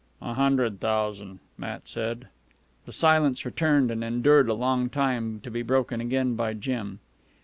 "A hundred thousan'," Matt said. The silence returned and endured a long time, to be broken again by Jim.